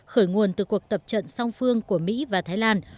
khởi nguồn từ cuộc tập trận song phương của mỹ và thái lan